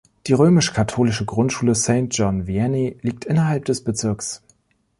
Die römisch-katholische Grundschule Saint John Vianney liegt innerhalb des Bezirks.